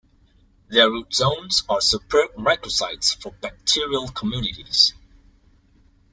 Their root zones are superb micro-sites for bacterial communities.